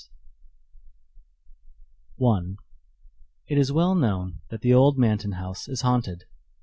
I It is well known that the old Manton house is haunted.